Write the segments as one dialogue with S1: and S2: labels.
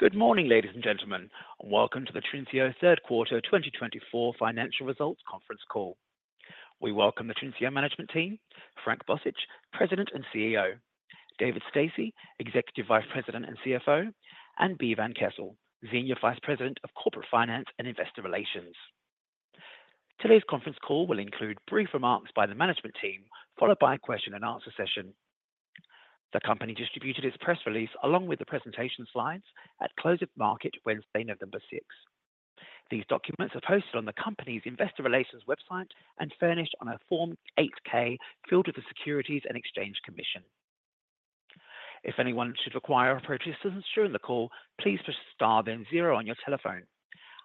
S1: Good morning, ladies and gentlemen. Welcome to the Trinseo Third Quarter 2024 Financial Results Conference Call. We welcome the Trinseo Management Team, Frank Bozich, President and CEO, David Stasse, Executive Vice President and CFO, and Bee van Kessel, Senior Vice President of Corporate Finance and Investor Relations. Today's conference call will include brief remarks by the Management Team, followed by a question-and-answer session. The company distributed its press release along with the presentation slides at close of the market Wednesday, November 6. These documents are posted on the company's Investor Relations website and furnished on a Form 8-K filed with the Securities and Exchange Commission. If anyone should require operator assistance during the call, please press * then 0 on your telephone.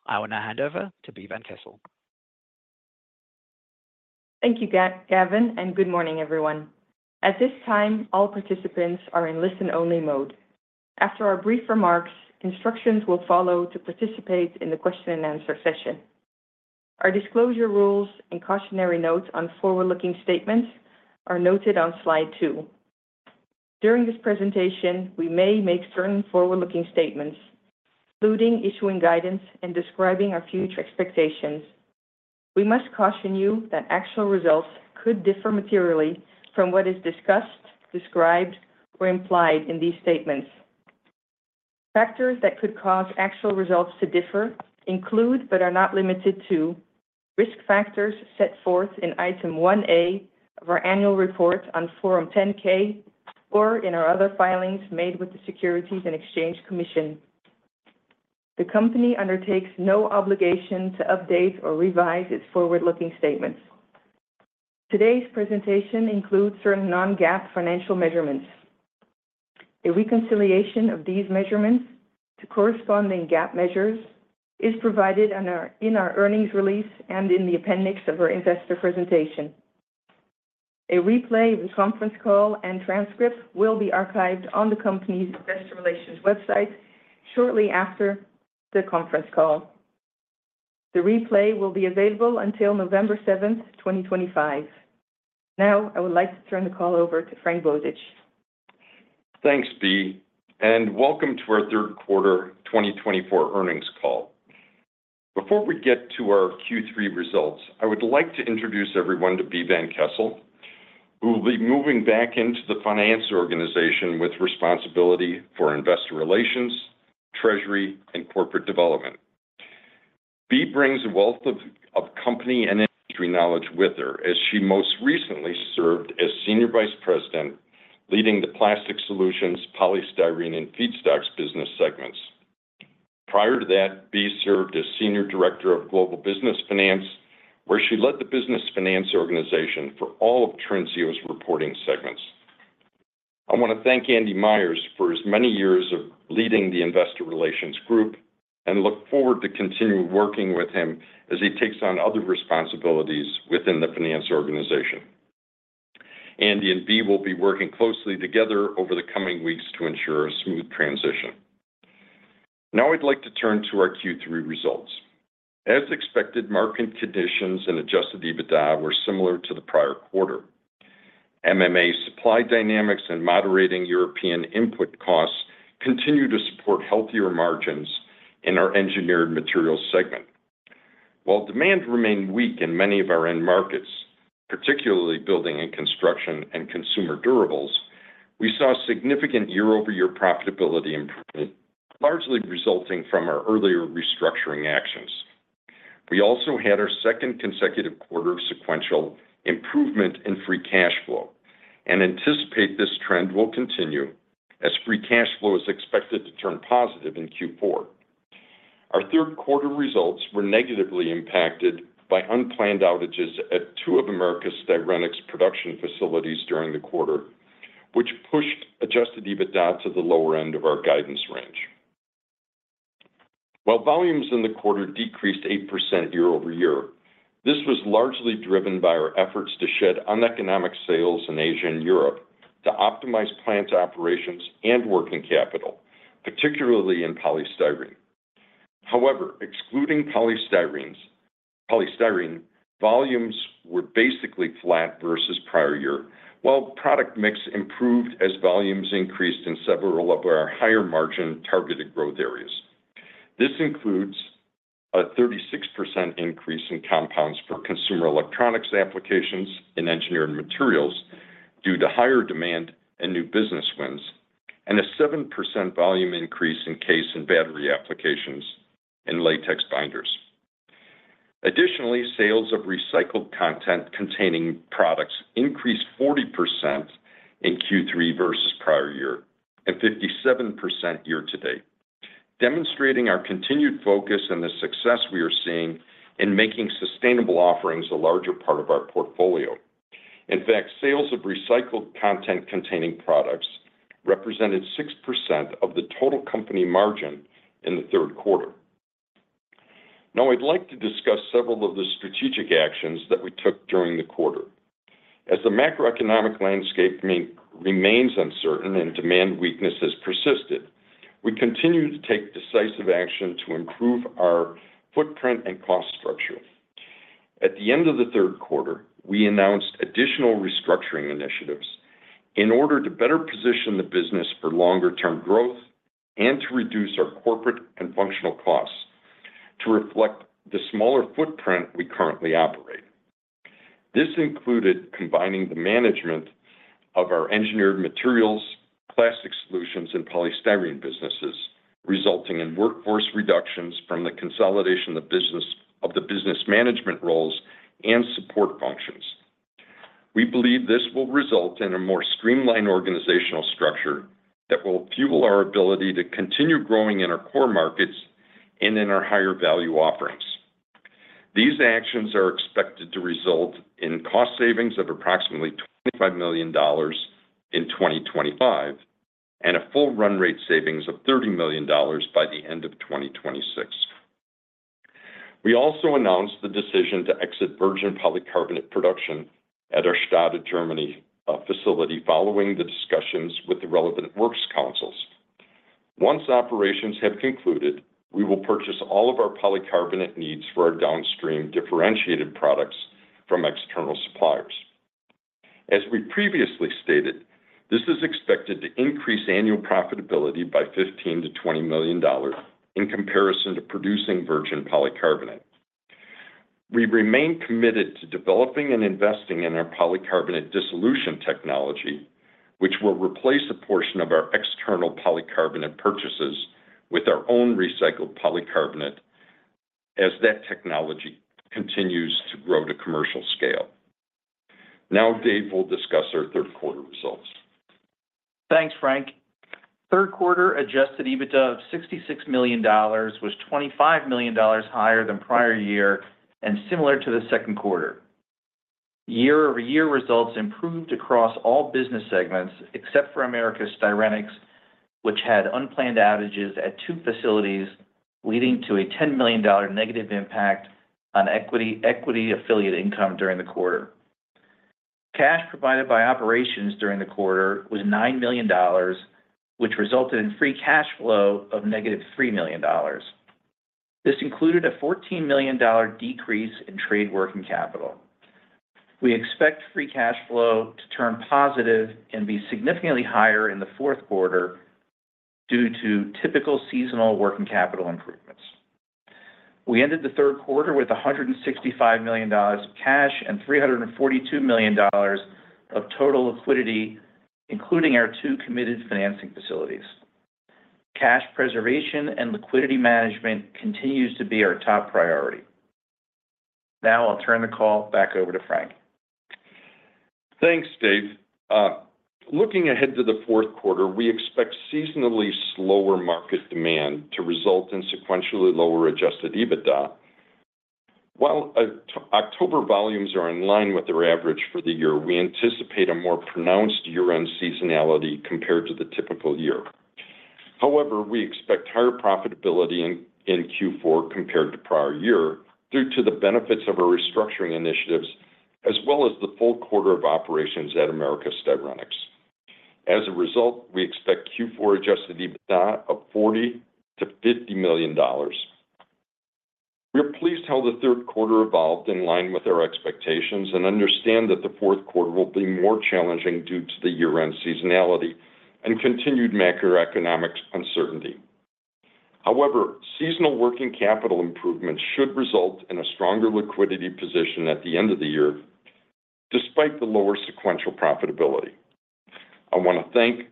S1: I will now hand over to Bee van Kessel.
S2: Thank you, Gavin, and good morning, everyone. At this time, all participants are in listen-only mode. After our brief remarks, instructions will follow to participate in the question-and-answer session. Our disclosure rules and cautionary notes on forward-looking statements are noted on slide two. During this presentation, we may make certain forward-looking statements, including issuing guidance and describing our future expectations. We must caution you that actual results could differ materially from what is discussed, described, or implied in these statements. Factors that could cause actual results to differ include, but are not limited to, risk factors set forth in Item 1A of our annual report on Form 10-K or in our other filings made with the Securities and Exchange Commission. The company undertakes no obligation to update or revise its forward-looking statements. Today's presentation includes certain non-GAAP financial measurements. A reconciliation of these measurements to corresponding GAAP measures is provided in our earnings release and in the appendix of our investor presentation. A replay of the conference call and transcript will be archived on the company's Investor Relations website shortly after the conference call. The replay will be available until November 7, 2025. Now, I would like to turn the call over to Frank Bozich.
S3: Thanks, Bee And welcome to our Third Quarter 2024 earnings call. Before we get to our Q3 results, I would like to introduce everyone to Bee van Kessel, who will be moving back into the finance organization with responsibility for investor relations, treasury, and corporate development. Bee brings a wealth of company and industry knowledge with her as she most recently served as Senior Vice President, leading the Plastics Solutions, Polystyrene, and Feedstocks business segments. Prior to that, Bee served as Senior Director of Global Business Finance, where she led the business finance organization for all of Trinseo's reporting segments. I want to thank Andy Myers for his many years of leading the Investor Relations Group and look forward to continuing working with him as he takes on other responsibilities within the finance organization. Andy and Bee will be working closely together over the coming weeks to ensure a smooth transition. Now, I'd like to turn to our Q3 results. As expected, market conditions and Adjusted EBITDA were similar to the prior quarter. MMA supply dynamics and moderating European input costs continue to support healthier margins in our Engineered Materials segment. While demand remained weak in many of our end markets, particularly building and construction and consumer durables, we saw significant year-over-year profitability improvement, largely resulting from our earlier restructuring actions. We also had our second consecutive quarter of sequential improvement in Free Cash Flow, and anticipate this trend will continue as Free Cash Flow is expected to turn positive in Q4. Our third quarter results were negatively impacted by unplanned outages at two of Americas Styrenics production facilities during the quarter, which pushed Adjusted EBITDA to the lower end of our guidance range. While volumes in the quarter decreased 8% year-over-year, this was largely driven by our efforts to shed uneconomic sales in Asia and Europe to optimize plant operations and working capital, particularly in polystyrene. However, excluding polystyrene, volumes were basically flat versus prior year, while product mix improved as volumes increased in several of our higher margin targeted growth areas. This includes a 36% increase in compounds for consumer electronics applications and engineered materials due to higher demand and new business wins, and a 7% volume increase in CASE and battery applications in latex binders. Additionally, sales of recycled content containing products increased 40% in Q3 versus prior year and 57% year-to-date, demonstrating our continued focus and the success we are seeing in making sustainable offerings a larger part of our portfolio. In fact, sales of recycled content containing products represented 6% of the total company margin in the third quarter. Now, I'd like to discuss several of the strategic actions that we took during the quarter. As the macroeconomic landscape remains uncertain and demand weakness has persisted, we continue to take decisive action to improve our footprint and cost structure. At the end of the third quarter, we announced additional restructuring initiatives in order to better position the business for longer-term growth and to reduce our corporate and functional costs to reflect the smaller footprint we currently operate. This included combining the management of our engineered materials, Plastics Solutions, and polystyrene businesses, resulting in workforce reductions from the consolidation of the business management roles and support functions. We believe this will result in a more streamlined organizational structure that will fuel our ability to continue growing in our core markets and in our higher value offerings. These actions are expected to result in cost savings of approximately $25 million in 2025 and a full run rate savings of $30 million by the end of 2026. We also announced the decision to exit virgin polycarbonate production at our Stade, Germany facility following the discussions with the relevant works councils. Once operations have concluded, we will purchase all of our polycarbonate needs for our downstream differentiated products from external suppliers. As we previously stated, this is expected to increase annual profitability by $15 million-$20 million in comparison to producing virgin polycarbonate. We remain committed to developing and investing in our polycarbonate dissolution technology, which will replace a portion of our external polycarbonate purchases with our own recycled polycarbonate as that technology continues to grow to commercial scale. Now, Dave, we'll discuss our third quarter results.
S4: Thanks, Frank. Third quarter Adjusted EBITDA of $66 million was $25 million higher than prior year and similar to the second quarter. Year-over-year results improved across all business segments except for Americas Styrenics, which had unplanned outages at two facilities, leading to a $10 million negative impact on equity-affiliated income during the quarter. Cash provided by operations during the quarter was $9 million, which resulted in free cash flow of negative $3 million. This included a $14 million decrease in trade working capital. We expect free cash flow to turn positive and be significantly higher in the fourth quarter due to typical seasonal working capital improvements. We ended the third quarter with $165 million of cash and $342 million of total liquidity, including our two committed financing facilities. Cash preservation and liquidity management continues to be our top priority. Now, I'll turn the call back over to Frank.
S3: Thanks, Dave. Looking ahead to the fourth quarter, we expect seasonally slower market demand to result in sequentially lower Adjusted EBITDA. While October volumes are in line with our average for the year, we anticipate a more pronounced year-end seasonality compared to the typical year. However, we expect higher profitability in Q4 compared to prior year due to the benefits of our restructuring initiatives as well as the full quarter of operations at Americas Styrenics. As a result, we expect Q4 Adjusted EBITDA of $40 million-$50 million. We're pleased how the third quarter evolved in line with our expectations and understand that the fourth quarter will be more challenging due to the year-end seasonality and continued macroeconomic uncertainty. However, seasonal working capital improvements should result in a stronger liquidity position at the end of the year despite the lower sequential profitability. I want to thank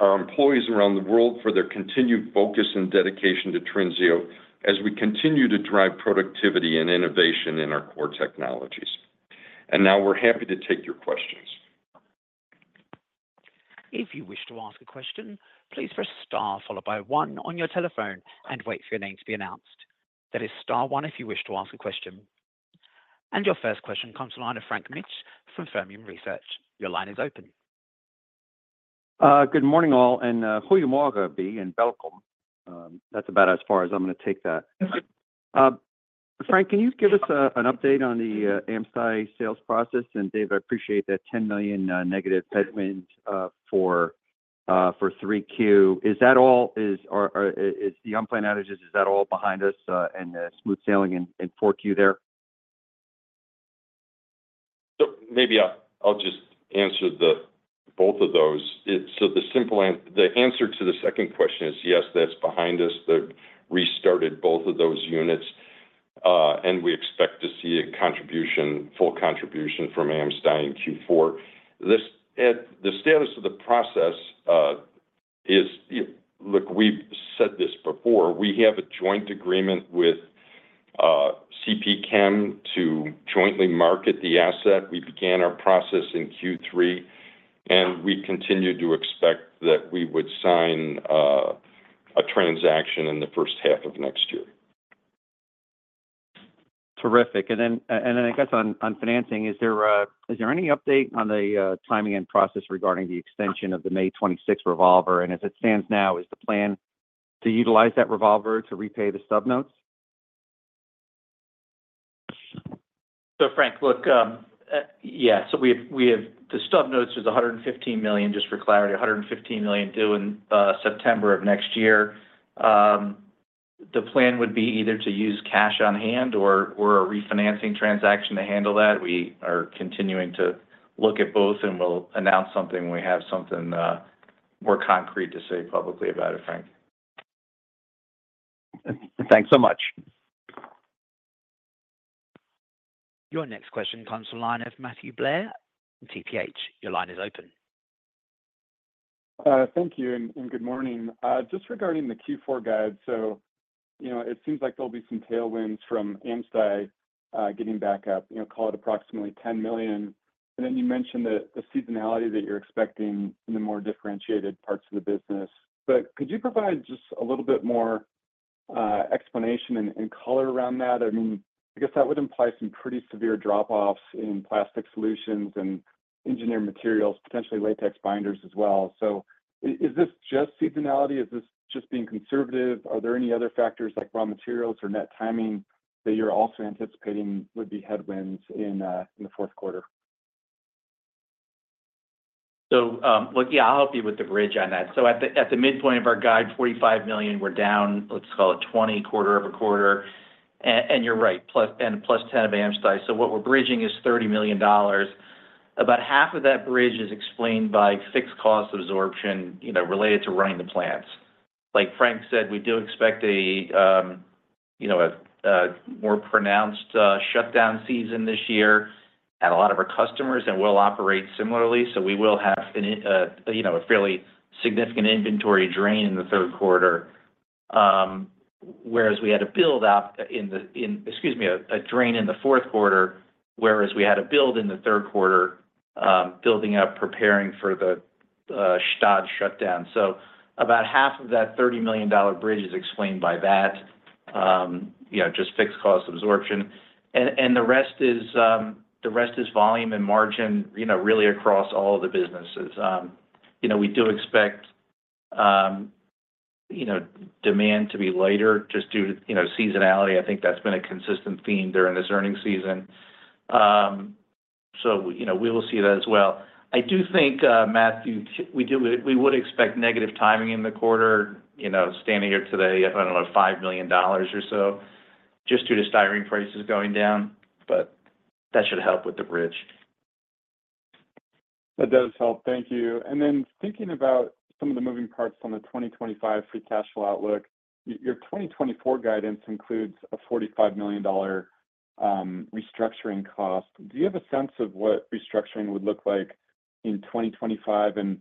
S3: our employees around the world for their continued focus and dedication to Trinseo as we continue to drive productivity and innovation in our core technologies, and now we're happy to take your questions.
S5: If you wish to ask a question, please press star followed by one on your telephone and wait for your name to be announced. That is star one if you wish to ask a question. And your first question comes from the line of Frank Mitsch from Fermium Research. Your line is open.
S1: Good morning, all, and good morning, Bee. Welcome. That's about as far as I'm going to take that. Frank, can you give us an update on the AmSty sales process? And Dave, I appreciate that $10 million negative headwind for 3Q. Is that all? Is the unplanned outages, is that all behind us and smooth sailing in 4Q there?
S3: Maybe I'll just answer both of those. So the answer to the second question is yes, that's behind us. They've restarted both of those units, and we expect to see a full contribution from AmSty in Q4. The status of the process is, look, we've said this before, we have a joint agreement with CP Chem to jointly market the asset. We began our process in Q3, and we continue to expect that we would sign a transaction in the first half of next year.
S1: Terrific. And then I guess on financing, is there any update on the timing and process regarding the extension of the May 2026 revolver? And as it stands now, is the plan to utilize that revolver to repay the stub notes?
S4: So Frank, look, yeah, so the stub notes is $115 million, just for clarity, $115 million due in September of next year. The plan would be either to use cash on hand or a refinancing transaction to handle that. We are continuing to look at both, and we'll announce something when we have something more concrete to say publicly about it, Frank.
S1: Thanks so much.
S5: Your next question comes from the line of Matthew Blair, TPH. Your line is open.
S6: Thank you and good morning. Just regarding the Q4 guide, so it seems like there'll be some tailwinds from AmSty getting back up, call it approximately $10 million. And then you mentioned the seasonality that you're expecting in the more differentiated parts of the business. But could you provide just a little bit more explanation and color around that? I mean, I guess that would imply some pretty severe drop-offs in Plastics Solutions and engineered materials, potentially latex binders as well. So is this just seasonality? Is this just being conservative? Are there any other factors like raw materials or net timing that you're also anticipating would be headwinds in the fourth quarter?
S4: So look, yeah, I'll help you with the bridge on that. So at the midpoint of our guide, $45 million, we're down, let's call it $20 million quarter over quarter. And you're right, and plus $10 million of AmSty. So what we're bridging is $30 million. About half of that bridge is explained by fixed cost absorption related to running the plants. Like Frank said, we do expect a more pronounced shutdown season this year at a lot of our customers, and we'll operate similarly. So we will have a fairly significant inventory drain in the third quarter, whereas we had a build-up in the, excuse me, a drain in the fourth quarter, whereas we had a build in the third quarter building up, preparing for the Stade shutdown. So about half of that $30 million bridge is explained by that, just fixed cost absorption. And the rest is volume and margin really across all of the businesses. We do expect demand to be lighter just due to seasonality. I think that's been a consistent theme during this earnings season. So we will see that as well. I do think, Matthew, we would expect negative timing in the quarter, standing here today, I don't know, $5 million or so just due to styrene prices going down, but that should help with the bridge.
S6: That does help. Thank you. And then thinking about some of the moving parts on the 2025 free cash flow outlook, your 2024 guidance includes a $45 million restructuring cost. Do you have a sense of what restructuring would look like in 2025? And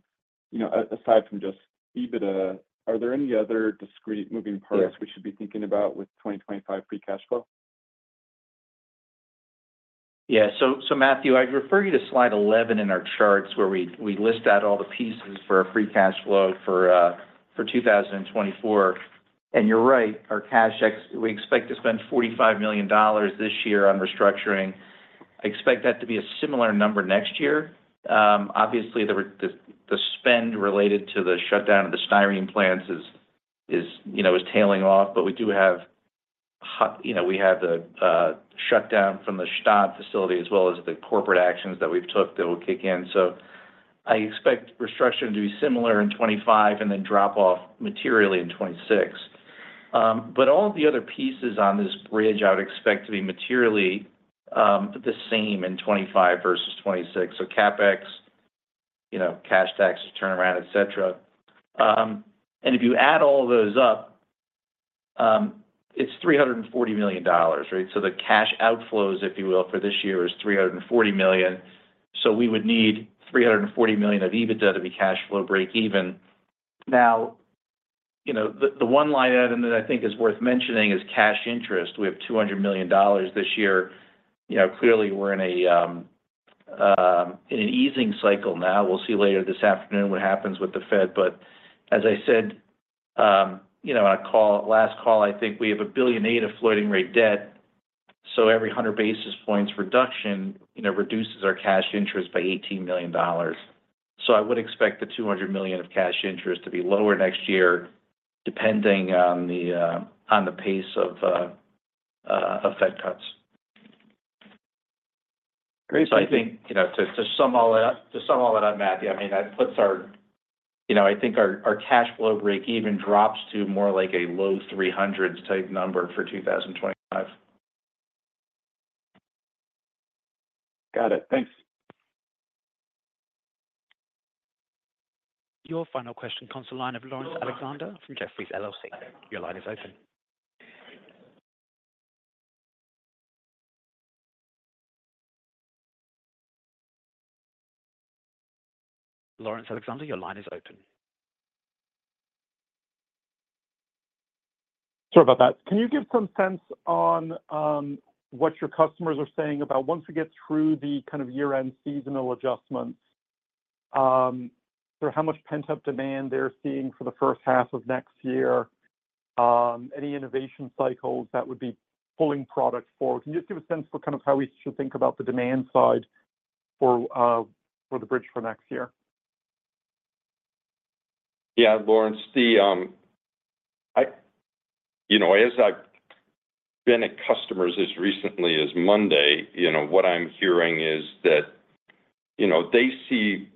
S6: aside from just EBITDA, are there any other discrete moving parts we should be thinking about with 2025 free cash flow?
S4: Yeah, so Matthew, I'd refer you to slide 11 in our charts where we list out all the pieces for our free cash flow for 2024, and you're right, our cash, we expect to spend $45 million this year on restructuring. I expect that to be a similar number next year. Obviously, the spend related to the shutdown of the styrene plants is tailing off, but we do have the shutdown from the Stade facility as well as the corporate actions that we've took that will kick in, so I expect restructuring to be similar in 2025 and then drop off materially in 2026, but all of the other pieces on this bridge, I would expect to be materially the same in 2025 versus 2026, so CapEx, cash tax, turnaround, etc., and if you add all of those up, it's $340 million, right? The cash outflows, if you will, for this year is $340 million. We would need $340 million of EBITDA to be cash flow break-even. Now, the one line item that I think is worth mentioning is cash interest. We have $200 million this year. Clearly, we're in an easing cycle now. We'll see later this afternoon what happens with the Fed. But as I said on a last call, I think we have a billion eight of floating rate debt. So every 100 basis points reduction reduces our cash interest by $18 million. So I would expect the $200 million of cash interest to be lower next year depending on the pace of Fed cuts.
S6: Great.
S4: So, I think to sum all that up, Matthew, I mean, that puts our, I think, our cash flow break-even drops to more like a low 300s type number for 2025.
S6: Got it. Thanks.
S5: Your final question comes from the line of Lawrence Alexander from Jefferies LLC. Your line is open. Lawrence Alexander, your line is open.
S7: Sorry about that. Can you give some sense on what your customers are saying about once we get through the kind of year-end seasonal adjustments, how much pent-up demand they're seeing for the first half of next year, any innovation cycles that would be pulling product forward? Can you just give a sense for kind of how we should think about the demand side for the bridge for next year?
S3: Yeah, Lawrence, as I've been at customers as recently as Monday, what I'm hearing is that they see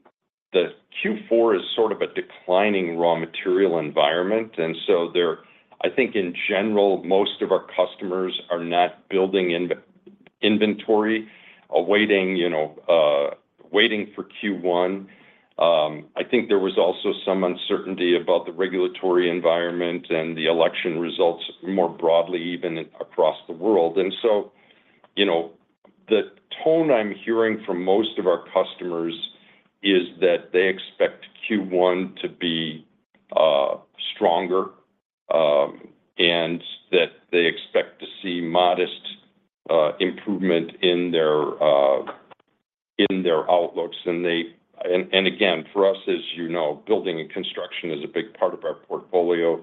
S3: the Q4 as sort of a declining raw material environment, and so I think in general, most of our customers are not building inventory, waiting for Q1. I think there was also some uncertainty about the regulatory environment and the election results more broadly, even across the world, and so the tone I'm hearing from most of our customers is that they expect Q1 to be stronger and that they expect to see modest improvement in their outlooks. And again, for us, as you know, building and construction is a big part of our portfolio.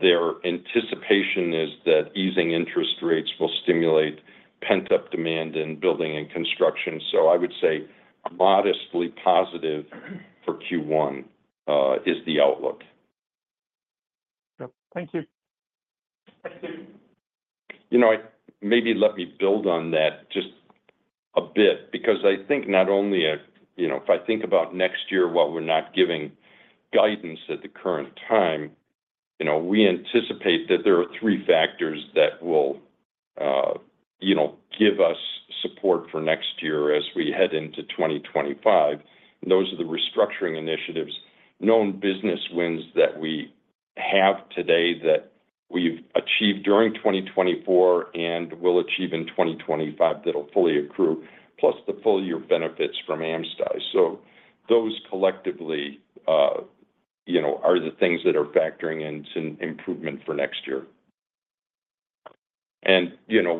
S3: Their anticipation is that easing interest rates will stimulate pent-up demand in building and construction, so I would say modestly positive for Q1 is the outlook.
S7: Yep. Thank you.
S3: Thank you. Maybe let me build on that just a bit because I think, not only if I think about next year, while we're not giving guidance at the current time, we anticipate that there are three factors that will give us support for next year as we head into 2025, and those are the restructuring initiatives, known business wins that we have today that we've achieved during 2024 and will achieve in 2025 that'll fully accrue, plus the full year benefits from AmSty. Those collectively are the things that are factoring into improvement for next year.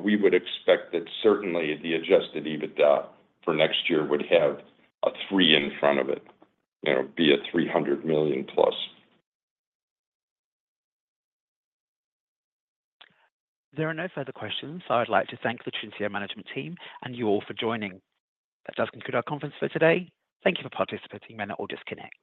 S3: We would expect that certainly the Adjusted EBITDA for next year would have a 3 in front of it, be a $300 million plus.
S5: There are no further questions. I'd like to thank the Trinseo Management Team and you all for joining. That does conclude our conference for today. Thank you for participating. You may now all disconnect.